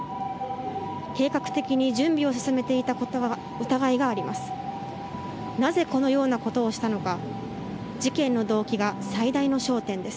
計画的に準備を進めていた疑いがあります。